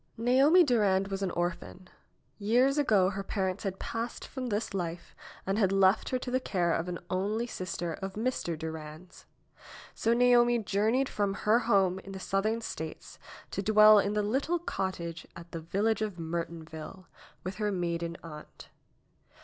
Naomi Durand was an orphan. Years ago her par ents had passed from this life and had left her to the care of an only sister of Mr. Durand's. So Naomi jour neyed from her home in the Southern States to dwell in the little cottage, at the village of Mertonville, with her maiden aunt.